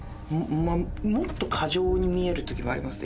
もっと過剰に見えるときもありますね。